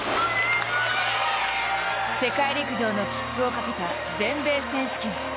世界陸上の切符をかけた全米選手権。